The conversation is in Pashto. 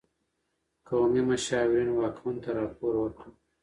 قومي مشاورین واکمن ته راپور ورکړ.